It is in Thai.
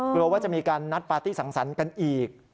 ว่าจะมีการนัดปาร์ตี้สังสรรค์กันอีก